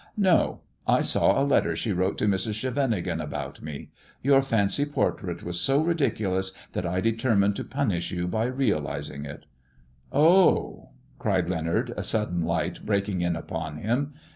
" No 1 I saw a letter she wrote to Mrs. Scheveningen ibout me. Your fancy portrait was so ridiculous that I ietermined to punish you by realizing it." " Oh !" cried Leonard, a sudden light breaking in upon lim.